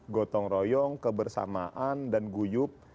gotong royong kebersamaan dan guyup